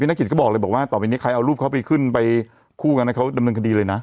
นักกิจก็บอกเลยบอกว่าต่อไปนี้ใครเอารูปเขาไปขึ้นไปคู่กันให้เขาดำเนินคดีเลยนะ